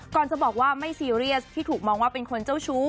จะบอกว่าไม่ซีเรียสที่ถูกมองว่าเป็นคนเจ้าชู้